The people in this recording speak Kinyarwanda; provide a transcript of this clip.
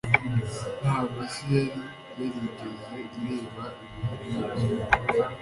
Ntabwo isi yari yarigeze ireba ibintu nk'ibyo.